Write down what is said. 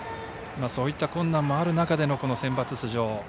そういった困難もある中でのセンバツ出場。